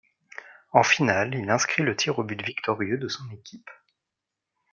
En finale il inscrit le tir au but victorieux de son équipe.